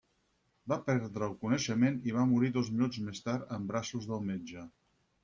Va perdre el coneixement i va morir dos minuts més tard en braços del metge.